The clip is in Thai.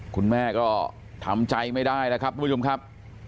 คุณแม่ก็ทำใจไม่ได้แล้วครับทุกผู้ชมครับ